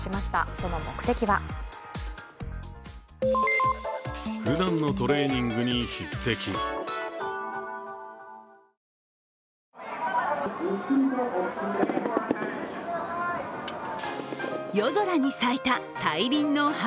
その目的は夜空に咲いた、大輪の花。